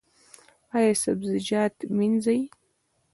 ایا سبزیجات مینځئ؟